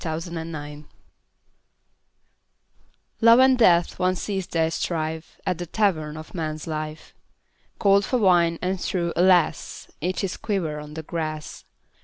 THE EXPLANATION Love and Death once ceased their strife At the Tavern of Man's Life. Called for wine, and threw — alas! — Each his quiver on the grass.